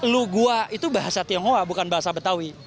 lugua itu bahasa tionghoa bukan bahasa betawi